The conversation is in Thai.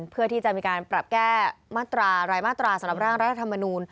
เพื่อที่จะมีการปรับแก้มาตรารายมาตราสำหรับร่างรัฐธรรมนูล